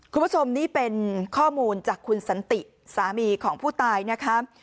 คุณผู้ชมนี่เป็นข้อมูลจากคุณสันติสามีของผู้ตายนะคะ